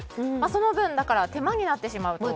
その分、手間になってしまうと。